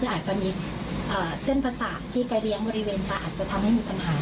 เราจะต้องส่งไปในที่ที่มีหมอเฉพาะทาง